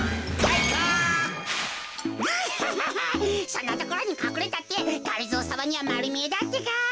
そんなところにかくれたってがりぞーさまにはまるみえだってか。